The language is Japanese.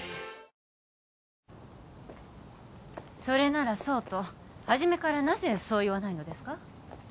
それならそうと初めからなぜそう言わないのですか？